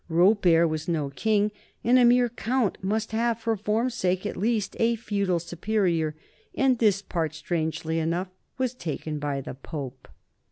Robert was no king, and a mere count must have, for form's sake at least, a feudal superior. And this part, strangely enough, was taken by the Pope.